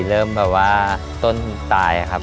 เริ่มแบบว่าต้นตายครับ